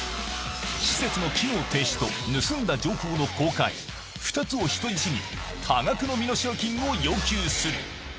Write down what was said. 施設の機能停止と盗んだ情報の公開、２つを人質に、多額の身代金を要求する。